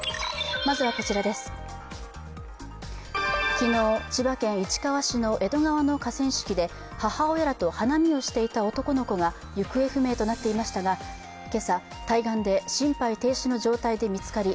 昨日、千葉県市川市の江戸川の河川敷で母親らと花見をしていた男の子が行方不明となっていましたが、今朝、対岸で心肺停止の状態で見つかり